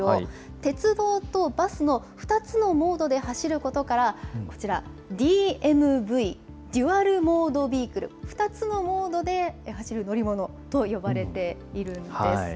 鉄道とバスの２つのモードで走ることからこちら、ＤＭＶ・デュアル・モード・ビークル、２つのモードで走る乗り物と呼ばれているんです。